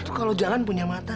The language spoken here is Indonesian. itu kalau jalan punya mata